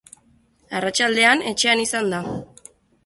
Arratsaldean, etxean izan da.